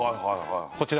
こちら